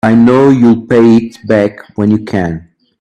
I know you'll pay it back when you can.